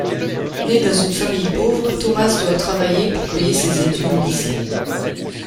Né dans une famille pauvre Tomáš doit travailler pour payer ses études au lycée.